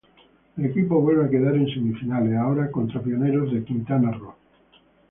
El equipo vuelve a quedar en semifinales, ahora contra Pioneros de Quintana Roo.